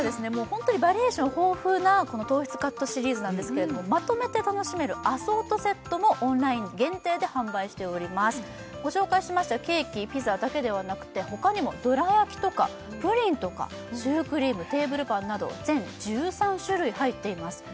ホントにバリエーション豊富なこの糖質カットシリーズなんですけれどもまとめて楽しめるアソートセットもオンライン限定で販売しておりますご紹介しましたケーキピザだけではなくて他にもどらやきとかプリンとかシュークリームテーブルパンなど全１３種類入っています